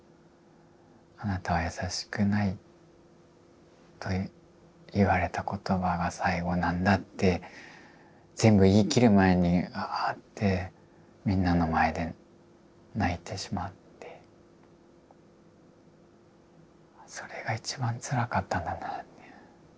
「あなたは優しくない」と言われた言葉が最後なんだって全部言い切る前にわぁってみんなの前で泣いてしまってそれが一番つらかったんだなって。